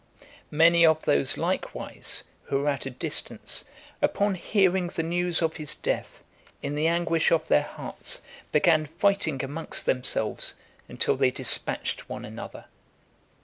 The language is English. (426) Many of those likewise who were at a distance, upon hearing the news of his death, in the anguish of their hearts, began fighting amongst themselves, until they dispatched one another.